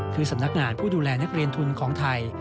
คือสำนักงานผู้ดูแลนักเรียนทุนของไทย